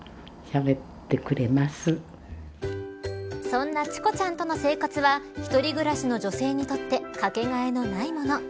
そんなチコちゃんとの生活は一人暮らしの女性の生活にとってかけがえのないもの。